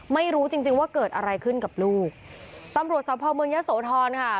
ไม่รู้จริงจริงว่าเกิดอะไรขึ้นกับลูกตำรวจสภเมืองยะโสธรค่ะ